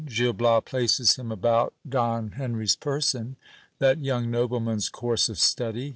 Gil Bias places him about Don Henry's person. That young nobleman's course of study.